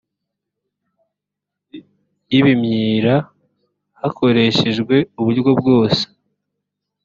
y ibimyira hakoreshejwe uburyo bwose